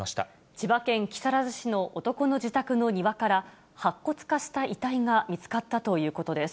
千葉県木更津市の男の自宅の庭から、白骨化した遺体が見つかったということです。